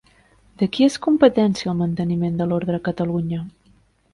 De qui és competència el manteniment de l'ordre a Catalunya?